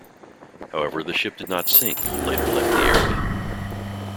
However, the ship did not sink and later left the area.